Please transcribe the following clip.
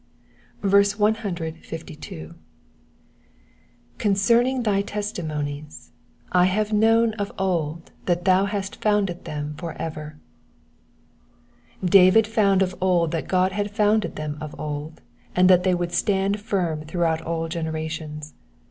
152. ^^ Concerning thy testimonies, I have known of oM that thou hast founded them for etery David found of old that God had founded them of old, and that they would stand firm throughout all ages.